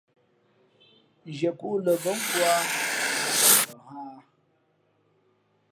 Zhiekhǔ lα bά nkō ā, o nāʼ cak nhᾱ a.